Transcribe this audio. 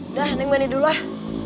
udah neng ganti dulu ah